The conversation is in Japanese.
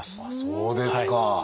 そうですか！